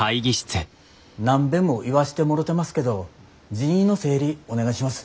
何べんも言わしてもろてますけど人員の整理お願いします。